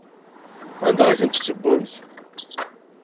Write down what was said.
Anda ay ten-tessewwemt?